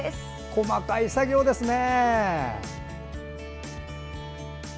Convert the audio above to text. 細かい作業ですね。